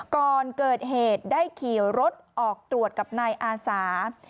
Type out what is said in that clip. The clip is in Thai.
ก่อนเกิดเหตุได้ขี่รถออกตรวจกับนายอาสา